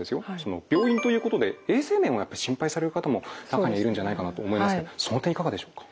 病院ということで衛生面をやっぱり心配される方も中にはいるんじゃないかなと思いますけどその点いかがでしょうか？